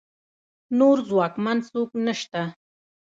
نور ځواکمن څوک نشته